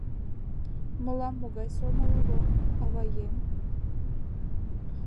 — Мылам могай сомыл уло, аваем?